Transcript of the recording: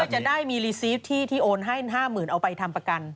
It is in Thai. จะได้มีรีซีฟที่โอนให้๕๐๐๐เอาไปทำประกัน